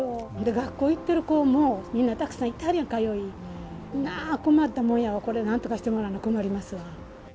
学校行ってる子も、みんなたくさんいたり、困ったもんやわ、これ、なんとかしてもらわんと困りますわ。